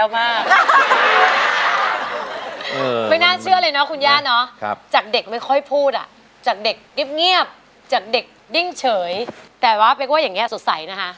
ไม่ค่อยพูดอ่ะจากเด็กนิ่บเงียบจากเด็กดิ้งเฉยแต่ว่าเพราะว่าอย่างเงี้ยสดใสนะฮะ